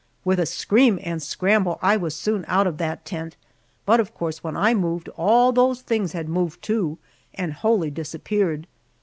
With a scream and scramble I was soon out of that tent, but of course when I moved all those things had moved, too, and wholly disappeared.